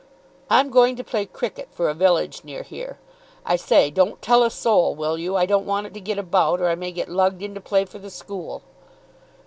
"I'm going to play cricket, for a village near here. I say, don't tell a soul, will you? I don't want it to get about, or I may get lugged in to play for the school."